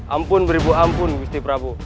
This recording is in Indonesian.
ampun beribu ampun gusti prabu